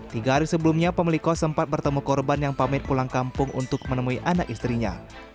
tiga hari sebelumnya pemilik kos sempat bertemu korban yang pamit pulang kampung untuk menemui anak istrinya